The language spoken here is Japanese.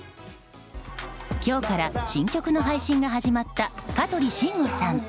今日から新曲の配信が始まった香取慎吾さん。